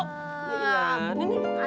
kasih yang siapa duluan